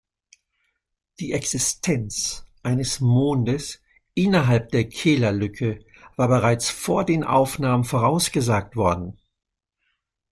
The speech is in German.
Die Existenz eines Mondes innerhalb der Keeler-Lücke war bereits vor den Aufnahmen vorausgesagt worden.